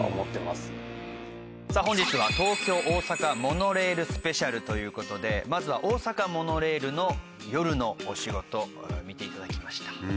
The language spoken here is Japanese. さあ本日は東京・大阪モノレールスペシャルという事でまずは大阪モノレールの夜のお仕事見て頂きました。